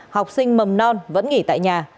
học sinh mầm non vẫn nghỉ tại nhà